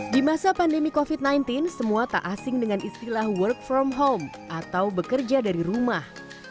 di masa pandemi covid sembilan belas semua tak asing dengan istilah work from home atau bekerja dari rumah